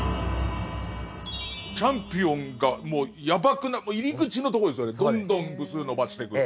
「チャンピオン」がもうやばく入り口のとこですよねどんどん部数伸ばしてく。